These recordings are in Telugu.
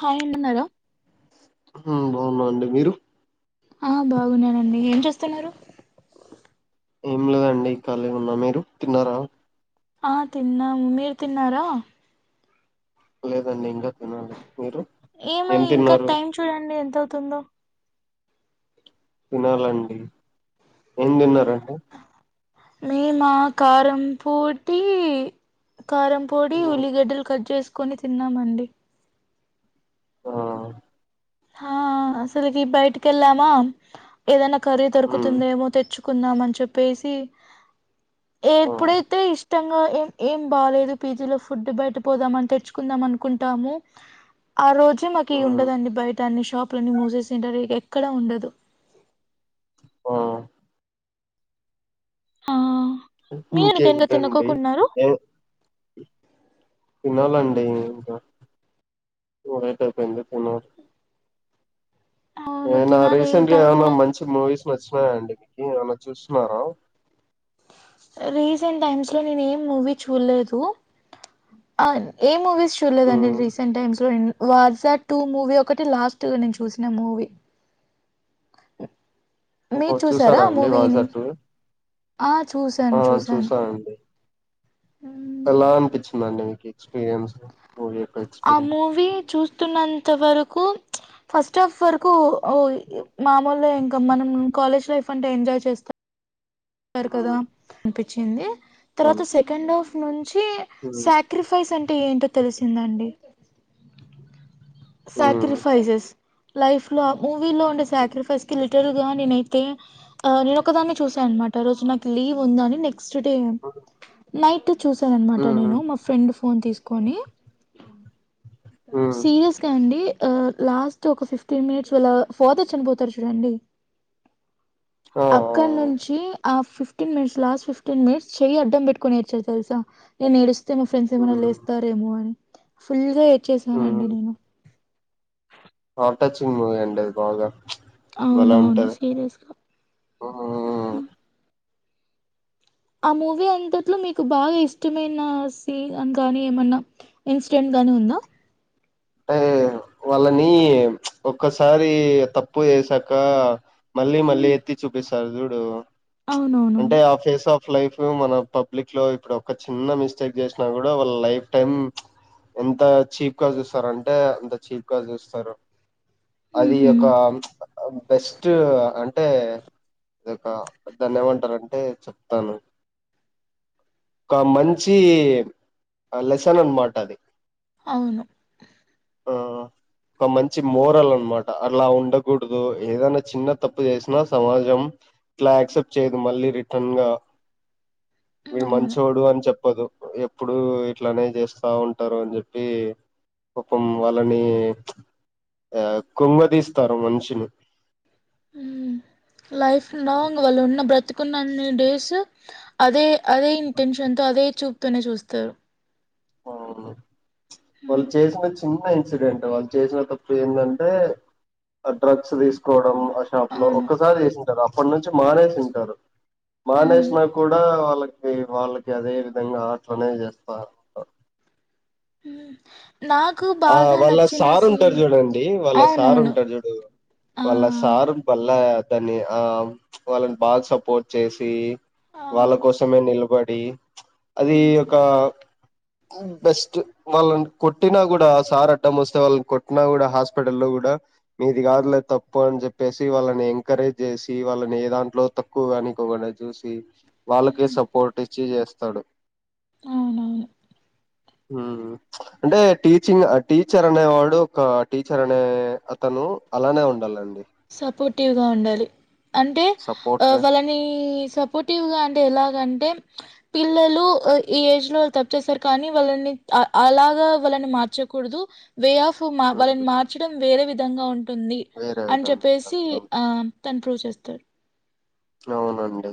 హాయ్ అన్న ఉన్నరా హూ బా ఉన్నా అండి మీరు హా బాగున్నానండి ఏం చేస్తున్నారు ఏం లేదండి ఖాళీ ఉన్నా మీరు తిన్నారా ఆ తిన్నాం మీరు తిన్నారా లేదండి ఇంగా తినాలే మీరు ఏం ఏమై ఇంకా తిన్నారు టైమ్ చూడండి ఎంత అవుతుందో తినాలండి ఏం దిన్నారండి మేమా కారం పోటీ కారం పొడి హ్మ్ ఉల్లిగడ్డలు కట్ చేసుకొని తిన్నామండి ఆ హ అసలుకి బయటికి వెళ్ళాన ఏదైనా కర్రీ హ్మ్ దొరుకుతుందేమో తెచ్చు కుందామని చెప్పేసి ఆ ఎప్పుడైతే ఇష్ట ఇష్టంగా ఏం ఏం బాలేదు పీజీలో ఫుడ్ బయట పోదామని తెచ్చుకుందాం అని అనుకుంటాము ఆ రోజు మాకు ఇయి హ్మ్ ఉండదండి బయటా అన్ని షాప్ లన్న మూసేసి ఊంటారు ఎక్కడా ఉండదు ఆ హా ఇంకేంటండి తినాలండి ఇంకా లేట్ అయిపోయింది తినాలి అవును ఎమన్న తినాలి రీసెంట్ గా టైము ఏమన్న మంచి మూవీస్ వచ్ఛినాయ అండి ఏమన్నా చూసినారా రీసెంట్ టైమ్స్ లో నేను ఏం మూవీ చూడలేదు అ ఏ మూవీస్ చూడలేదండి హ్మ్ రీసెంట్ టైమ్స్ లో వాజ టూ మూవీ ఒకటి లాస్ట్ గా నేను చూసిన మూవీ ఓహో మీరు చూసారా ఆ అండి వాజ మూవీని టు ఆ చూసాను ఆ చూసాను చూసా అండి మ్మ్. ఎలా అనిపించిదండి మీకు ఇ ఎక్స్పీరియన్స్ మూవీ యొక్క ఆ ఎక్స్పీరియన్స్ మూవీ చూస్తున్నంత వరకు ఫస్ట్ ఆఫ్ వరకు ఓ మామూలు గా ఇంకా మనం కాలేజ్ లైఫ్ అంటే ఎంజాయ్ చేస్తాం హ్మ్ కదా అనిపించింది అవును. తర్వాత సెకండ్ ఆఫ్ నుంచి ఉమ్, సక్రిఫైస్ అంటే ఏంటో తెలిసిందండి ఉమ్, సాక్రిఫైసెస్ లైఫ్ లో మూవీ లో ఉండే సాక్రిఫైస్ కి లి లిటరల్ గా నేనైతే నేను ఒకదాన్ని చూసాను అన్నమాట ఆ రోజు నాకు లీవ్ ఉందని నెక్స్ట్ నెక్స్ట్ డే నైట్ చూసాను అన్నమాట ఉమ్, నేను మా ఫ్రెండ్ ఫోన్ తీసుకొని ఉమ్. సీరియస్ గా అండి లాస్ట్ ఒక ఫిఫ్టీన్ మినిట్స్ వాళ్ళ ఫాధర్ చనిపోతారు చూడండి ఆ ఆ, అ అక్కడ నుంచి ఆ fifteen minutes last fifteen minutes చేయి అడ్డం పెట్టుకొని ఏడ్చాను తెలుసా నేను ఎడిస్తే మా ఫ్రెండ్స్ ఏమైనా ఉమ్, లేస్తారేమో అని ఫుల్ గా ఏడ్చేసాను అండి నేను హర్ద్ టచింగ్ మూవీ అండి ఆది బాగా భలే అవునవును ఉంటది సీరియస్లీ ఉమ్, ఆ మూవీ అంతట్లో మీకు బాగా ఇష్టమైన సీన్ కానీ ఏమన్నా ఇన్సటెంట్ గాని ఉందా అంటే వాళ్ళని ఒక్కసారి తప్పు చేసాక మళ్ళీ మళ్ళీ ఉమ్. ఎత్తి చూపిస్తారు చూడు అంటే అవునవునవును ఆ ఫేస్ ఆఫ్ లైఫ్ లో మన పబ్లిక్ లో ఇప్పుడు ఒక చిన్న మిస్టేక్ చేసినా కూడా వాళ్ళ లైఫ్ టైమ్ ఎంత చీప్ గా చూస్తారు అంటే అంత చీప్ గా చూస్తారు అది ఉహుం. ఒక బెస్ట్ అంటే అది ఒక దాన్ని ఏమంటారంటే చెప్తాను ఒక మంచి లెసన్ అన్నమాట అది అవును ఆ ఒక మంచి మోరల్ అన్నమాట అలా ఉండకూడదు ఏదైనా చిన్న తప్పు చేసినా సమాజం అట్లా యాక్సెప్ట్ చేయదు మళ్ళీ రిటన్ గా ఉమ్, వీడు అవును మంచోడు అని చెప్పదు ఎప్పుడు ఇట్లానే చేస్తా ఉంటారు అని చెప్పి పాపం వాళ్ళని ఆ కుంగదీస్తారు మనిషిని లైఫ్ హ్మ్. లాంగ్ వాళ్ళు ఉన్న బ్రతికున్నన్ని డేస్ అదే అదే ఇంటెన్షన్తో అదే చూపుతోనే చూస్తారు అవును వాళ్ళు ఉమ్, చేసిన చేయ ఇంకో ఇన్సిడెంట్ వాళ్ళు చేసిన తప్పు ఏంటంటే ఆ డ్రగ్స్ వేసుకోవడం ఆ షాప్ లో అవును ఒక్కసారి చేసుంటారు అప్పటి నుంచి మానేసింటారు ఉమ్. మానేసినా కూడా వాళ్ళకి వాళ్ళకి అదే విధంగా అట్లనే చేస్తారు హ్మ్ ఆ వాళ్ళ సార్ ఉంటారు చూడండి వాళ్ళ సార్ అవునవును ఉంటాడు చూడు ఆ వాళ్ళ సార్ వాళ్ళ దాన్ని ఆ వాళ్ళని బాగా సపోర్ట్ చేసి ఆ వాళ్ళ కోసమే నిలబడి అది ఉమ్ ఒక బెస్ట్ వాళ్ళని కొట్ కొట్టినా కూడా సార్ అడ్డం వస్తే వాళ్ళని కొట్టినా కూడా హాస్పిటల్లో లో కూడా మీది కాదులే తప్పు అని చెప్పేసి వాళ్ళని ఎంకరేజ్ చేసి వాళ్ళని ఏ దాంట్లో తప్పు ఎక్కువగానికోవగానే చూసి వాళ్ళకే సపోర్ట్ ఇచ్చి చేస్తాడు అవునవును హ్మ్ అంటే టీచింగ్ టీచర్ అనేవాడు ఒక టీచర్ అనే అతను అలానే ఉండాలండి సపోర్టివ్గా ఉండాలి అంటే సపోర్ట్ గా వాళ్ళని సప్ సపోటివ్గా అంటే ఎలాగంటే పిల్లలు ఈ ఏజ్ లో కొచ్చేసారు కానీ వాళ్ళని అ అలాగా వాళ్ళని మార్చకూడదు వే ఆఫ్ మగ ఉమ్ వాళ్ళని మార్చడం వేరే విధంగా ఉంటుంది వేరే అని విధంగా చెప్పేసి ఉంటది ఆ తను ప్రూవ్ చేస్తాడు అవునండి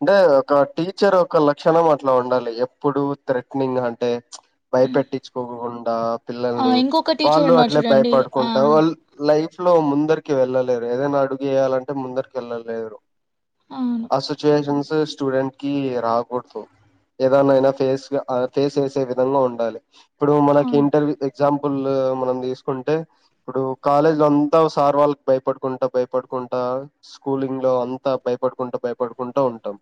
అంటే ఒక టీచర్ ఒక లక్షణం అట్లా ఉండాలి ఎప్పుడు థ్రెట్నింగ్ అంటే భయపెట్టించుకోకుండా ఆ పిల్లల్ని ఇంకొక టీచర్ వాళ్ళు ఉన్నారు అట్లే చూడండి ఆ భయపడుకుంటా వాళ్ళు లైఫ్ లో ముందరికి వెళ్ళలేడు ఏదైనా అడుగు వేయాలంటే ముందరికి వెళ్ళలేరు అవును ఆ సిచ్చుయేషన్స్ కి స్టూడెంట్ కి రాకూడదు ఏదేనైనా ఫేస్గా ఫేస్ చేసే విధంగా ఉండాలి ఇప్పుడు మనకి అవును ఇంటర్వూ ఎగ్జాంపుల్ మనం తీసుకుంటే ఇప్పుడు కాలేజ్ లో అంతా సార్ వాళ్ళకి భయపడుకుంటా భయపడుకుంటా స్కూలింగ్ లో అంతా తా భయపడుకుంటా భయపడుకుంటా ఉంటాం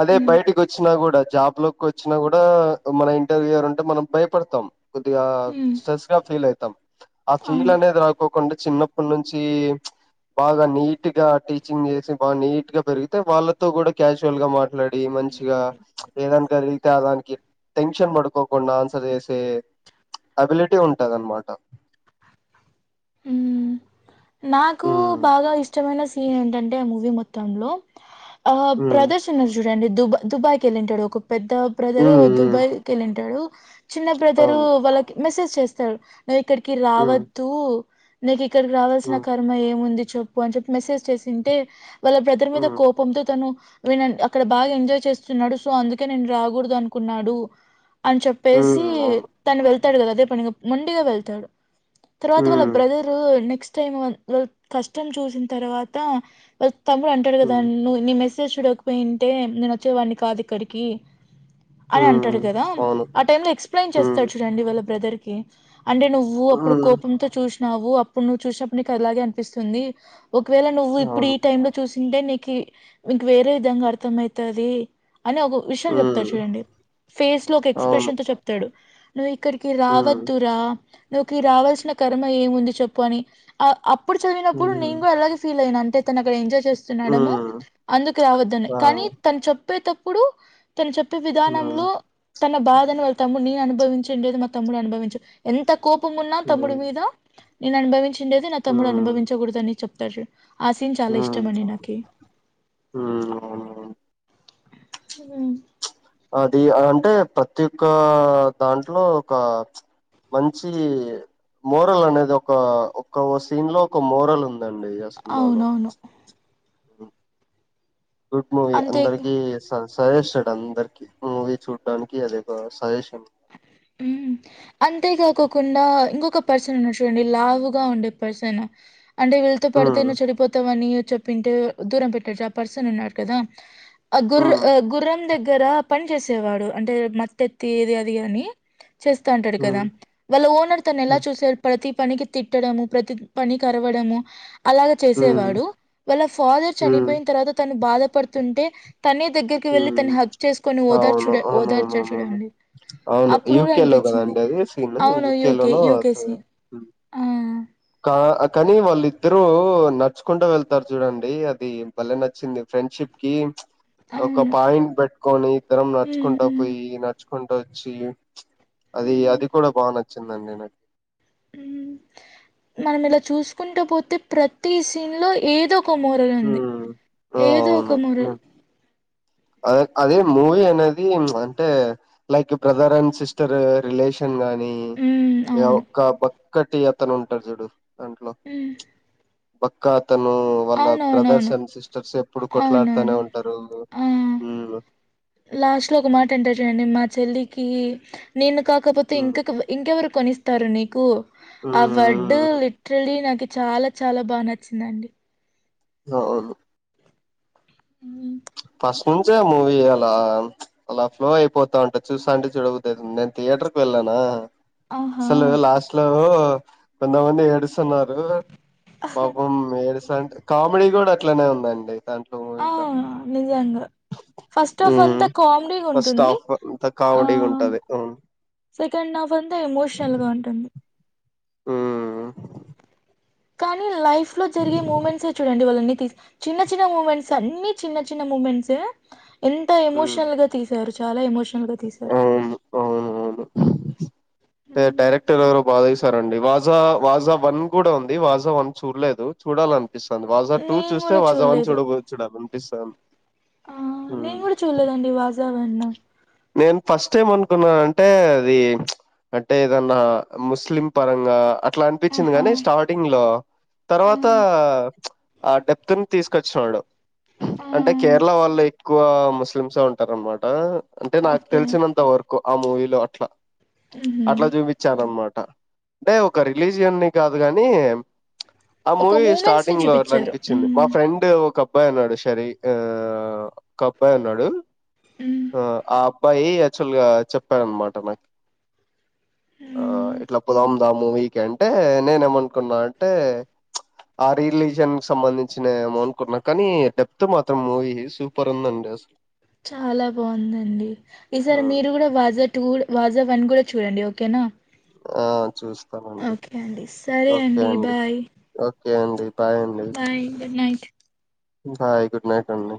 అదే ఉమ్ బయటకి వచ్చినా కూడా జాబ్ లోకి వచ్ వచ్చినా కూడా మన ఇంటర్వ్యూ ఎవరుంటే మనం భయపడతాం కొద్దిగా ఉమ్ స్ట్రెస్ గా ఫీల్ అవుతాం ఆ అవును ఫీల్ అనేది రాకు కుంటే చిన్నప్పటి నుంచి బాగా నీట్ గా టీచింగ్ చేసి బ నీట్ గా పెరిగితే వాళ్ళతో కూడా క్యాజువల్ గా మాట్లాడి మంచిగా ఏదంటే అది అంతే దానికి టెన్షన్ పడుకోకుండా ఆన్సర్ చేసే అబిలిటీ ఉంటది అనమాట హ్మ్ నాకు ఉమ్ బాగా ఇష్టమైన ఏంటంటే ఆ మూవీ మొత్తంలో ఆ ఉమ్ బ్రదర్స్ వున్నారు చూడండి దుబా దుబాయ్కి వెళ్ళింటాడు ఒక పెద్ద బ్రదరు ఉమ్ దుబాయ్కి వెళ్ళింటాడు చిన్న బ్రదరు ఉమ్ అవును వాళ్ళకి మెసేజ్ చేస్తాారు నువ్వు ఇక్కడికి ఉమ్ రావద్దు నీకు ఇక్కడికి రావాల్సిన ఉమ్ కర్మ ఏముంది చెప్పు అని చెప్పి మెసేజ్ చేసింటే వాళ్ళ బ్రదర్ మీద ఉమ్ కోపంతో ఇతను వినండి అక్కడ బాగా ఎంజాయ్ చేస్తున్నాడు సో అందుకే నేను రాకూడదు అనుకున్నాడు అని చెప్పేసి ఉమ్ అవును తను వెళ్తాడు కదా అదే పని మొండిగా వెళ్తాడు తర్వాత వాళ్ళ ఉమ్ మీరు నెక్స్ట్ టైం కష్టం చూసిన తరువాత తమ్ము అంటాడు కదా ఉమ్ నువ్వు నీ మెసేజ్ చూడకపోయింటే నేను వచ్చేవాడిని కాదు ఇక్కడికి అని ఉమ్ అంటాడు కదా అవును ఆ టైమ్ లో ఎక్స్ప్లెయిన్ ఉమ్ చేస్తాడు చూడండి వాళ్ళ బ్రదర్ కి అంటే నువ్వు అప్పుడు హ్మ్. కోపంతో చూసినావు అప్పుడు నువ్వు చూసినప్పుడు నీకు అలాగే అనిపిస్తుంది ఒకవేళ నువ్వు ఇప్పుడు అవును. ఈ టైమ్లో చూసింటే నీకి ఇంక వేరే విధంగా అర్థం అయితాది అని విషయం చెప్తాడు హ్మ్. చూడండి ఫేస్లో ఒక అవును. ఎక్స్ప్రెషన్ తో చెప్తడు ఇక్కడికి హ్మ్. రావద్దురా నీకి రావాల్సిన కర్మ ఏముంది చెప్పు అని అ అప్పుడు చదివినప్పుడు నేను హ్మ్. కూడా అలాగే ఫీల్ అయ్యాను అంతే తను అక్కడ ఎంజాయ్ చేస్తున్నాడము హ్మ్. అందుకు రావద్దని ఆ! కానీ తను చెప్పేటప్పుడు తను చెప్పే హ్మ్. విధానంలో తన బాధను వాళ్ళ తమ్ముడు నేను అనుభవించిం లేదు మా తమ్ముడు అనుభవించు ఎంత కోపం ఉన్నా తమ్ముడు హ్మ్. మీద నేను అనుభవించిండేది నా తమ్ముడు అనుభవించకూడదని చెప్తారు చు హ హా అ అది అంటే ప్రతి ఒక్క దాంట్లో ఒక మంచి మోరల్ అనేది ఒక ఒక్క సీన్లో ఒక మోరల్ ఉంది దండి సినిమాలో అవునవును హ్మ్. గుడ్ మూవీ అంతే అందరికి స సజెస్డ్ అందరికి మూవీ చూడ్డానికి అది ఒక సజెషన్ ఉ అంతేకాకోకుండా ఇంగొక పర్సన్ ఉన్నాడు చూడండి లావుగా ఉండే పర్సన్ అంటే వీళ్ళతో పడితే హ్మ్. నువ్వు చెడిపోతావని చెప్పింటే దూరం పెట్నట్టు ఆ పర్సన్ ఉన్నాడు కదా ఆ గుర్ర హ్మ్. గుర్రం దగ్గర పని చేసేవాడు అంటే మత్తెత్తి ఇది అది అని చేస్తాంటడు కదా హ్మ్. వాళ్ళ ఓనర్ తను ఎలా హ్మ్. చూస ప్రతి పనికి తిట్టడము ప్రతి పనికి అరవడము అలాగ హ్మ్. హ్మ్. చేసేవాడు వాళ్ళ ఫాదర్ హ్మ్. చనిపోయిన్ తర్వాత తను బాధపడుతుంటే తనే దగ్గరికి వెళ్ళి హ్మ్. తని హగ్ చేసుకొని అవును ఓదార్చూడ్ ఓదార్చారు అవునవునవునవును చూడండి అవును అప్పుడు కూడా యూకే లో అనిపిచింది కదండి అది సీన్ అవును యూకే లోనో అది. యూకేసి కా కానీ వాళ్ళిద్దరు నడుచుకుంట వెళ్తారు జూడండి అది భలే నచ్చింది ఫ్రెండ్షిప్ కి ఒక అవును పాయింట్ పెట్టుకొని ఇద్దరం హ్మ్ నడుచ్చుకుంట హ్మ్ పోయి నడుచ్చుకుంటూ వచ్చి అది హ్మ్ అది కూడా బాగా నచ్చిందండి నా మనం ఇలా చూసుకుంటా పోతే ప్రతి సీన్లో ఏదో ఒక మోరలు ఉంది ఉమ్ ఆ ఏదో ఒక మురలు అద అదే మూవీ అనేది అంటే like brother and sister relation కాని ఉమ్ అవును ఒక్క బక్కటి అతను ఉంటడు చూడు దాంట్లో హ్మ్. బక్కా అతను వాళ్ళ బ్రదర్స్ అవునవునవును అండ్ సిస్టర్స్ ఎప్పుడు కొట్లాడుతానే అవునవును ఉంటరు ఆ ఉ లాస్ట్ లో ఒక మాట అంటారు చూడండి మా చెల్లికి నేను కాకపోతే మ్మ్ ఇంకా ఇంకెవరు కొనిస్తారు నీకు ఆ వడ్డ్ మ్మ్ లీట్రలీ నాకు చాలా చాలా బాగా నచ్చిందండి అవును ఇ ఫస్ట్ నుంచే మూవీ అలా అలా ఫ్లో అయిపోతా ఉంటద్ చూసా అంటే చూడబుద్ధి అయితుంది నేను థియేటర్కి వెళ్ళానా అసల ఆహా లాస్ట్లో వందమంది ఎడ్స్ స్తున్నారు పాపం ఏడుస్తాంటే కామెడీ కూడా అట్లనే ఉందండి దా ఆ నిజంగా ఫస్ట్ ఆఫ్ మ్మ్ ఆల్ంతా కామెడీ ఫస్ట్ ఉంటుంది హాఫ్ అంత ఆ, కామెడీగా ఉంటది అవును సెకండ్ హాఫ్ అంతా ఎమోషనల్ గా ఉంటుంది. హుమ్మ్, కానీ లైఫ్ లో జరిగే మూమెంట్స్ే చూడండి వాళ్ళన్నీ తీ, చిన్న చిన్న మూమెంట్స్ అన్నిీ చిన్న చిన్న మూమెంట్స్, ఎంత మ్మ్ ఎమోషనల్ గా తీసారు చాలా ఎమోషనల్ గా తీశారు. అవును అవును అవును హ్మ్. డైరెక్టర్ గారు బాగాశారండి వాజా వాజా వన్ కూడా ఉంది వాజా వన్ చూడలేదు చూడాలంటే, అనిపిస్తుంది వాజా టూ నేను చూస్తే గూడా వాజా వన్ చూడలేదు. చూడ చుడా అనిపిస్తుంది. ఆ నేను కూడా చూడలేదండి వాజ వన్, నేను ఫస్ట్ టైం అనుకున్నానంటే అది, అంటే ఏదన్నా ముస్లిం పరంగా అట్లా అనిపించింది ఆహా! కాగాని స్టార్ట్, టింగ్ లో ఆ! తర్వాత ఆ డెప్త్ ని తీసుకొచ్చినడు, ఆ! అంటే కేరళ వాళ్ళు ఎక్కువ ముస్లిమ్స్ే ఉంటార అనమాట, అంటే నాకు ఓకే. తెలిసినంత వరకు ఆ మూవీలో అట్లా, ఉహ అట్లా చూపించాడు అన్నమాట అంటే ఒక రిలీజియన్ని కాదు కాని, ఆ ఒక మూవీ మూమెంట్స్‌ని స్టార్టింగ్ లో అట్లా చూపిచ్చారు. అనిపించింది మా హ్మ్. ఫ్రెండ్, అంటే ఒక అబ్బాయి అన్నాడు శారీ ఆ ఒక అబ్బాయి ఉన్నాడు. ఉమ్ ఆ అబ్బాయి యాక్టువ గా చెప్పాడనమాట నాకు, ఆ హ్మ్. ఇట్లా పొదంద మూవీకి అంటే నేనే ఏమనుకున్నా అంటే, ఆ రిలీజియన్ సంబంధించిన ఏమో అనుకుంటున్నా కానీ డెప్త్ మాత్రం మూవీ సూపర్ ఉందండి అసలు, చాలా బావుందండి ఈసారి హ్మ్. మీరు కూడా బజెట్, టూడ్ వాజా వన్ కూడా చూడండి ఓకేనా, ఆ! చూస్తానండి. ఓకే అండి సరే అండి బాయ్, ఓకే అండి బాయ్ అండి bye good night. Bye good night అండి.